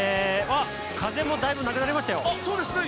風もだいぶなくなりましたよ。